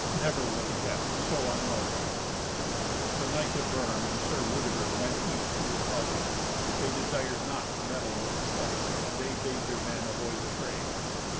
Never was guest so unwelcome." The knight of Bern, and Sir Rudeger, went each to his lodging. They desired not to meddle with the strife, and they bade their men avoid the fray.